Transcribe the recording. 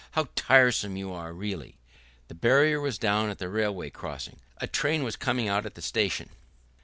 How tiresome you are really!..." The barrier was down at the railway crossing. A train was coming out of the station.